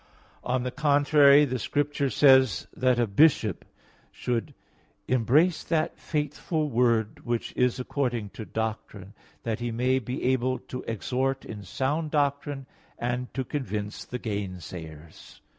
On the contrary, The Scripture says that a bishop should "embrace that faithful word which is according to doctrine, that he may be able to exhort in sound doctrine and to convince the gainsayers" (Titus 1:9).